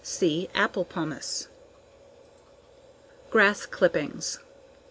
_ See Apple pomace. _Grass clippings.